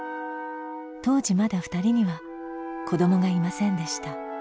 当時まだ２人には子どもがいませんでした。